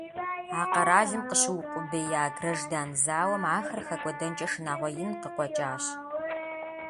А къэралым къыщыукъубея граждан зауэм ахэр хэкӀуэдэнкӀэ шынагъуэ ин къыкъуэкӀащ.